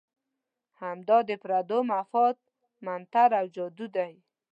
همدا د پردو مفاد منتر او جادو دی.